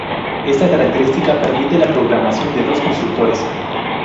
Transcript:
Esta característica permite la programación de dos constructores.